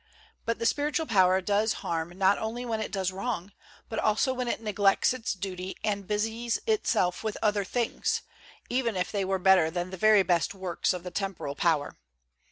But the spiritual power does harm not only when it does wrong, but also when it neglects its duty and busies itself with other things, even if they were better than the very best works of the temporal power.